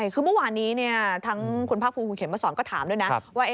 คือเมื่อวานนี้ทั้งคุณพักภูคุณเข็มเมื่อส่วนก็ถามด้วยนะ